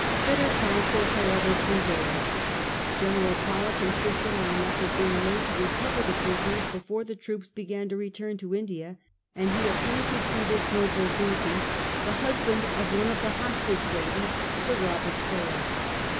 Better counsels, however, prevailed. General Pollock insisted on an effort being made to recover the prisoners before the troops began to return to India, and he appointed to this 1842. THE RECOVERY OE THE PRISONERS. 265 noble duty tbe husband of one of the hostage ladies *— Sir Robert Sale.